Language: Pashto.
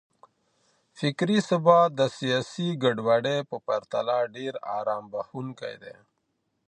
فکري ثبات د سياسي ګډوډۍ په پرتله ډېر آرام بښونکی دی.